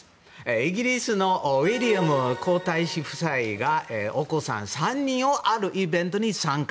イギリスのウィリアム皇太子夫妻がお子さん３人とあるイベントに参加。